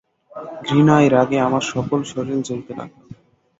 ঘৃণায় রাগে আমার সকল শরীর জ্বলতে লাগল।